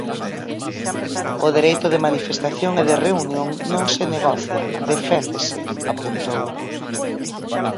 O dereito de manifestación e de reunión non se negocia, deféndese, apuntou.